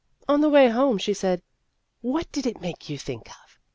On the way home, she said :" What did it make you think of